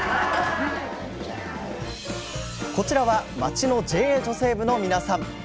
こちらは町のＪＡ女性部の皆さん。